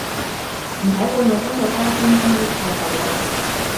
唔駛半個鐘個花樽終於砌好啦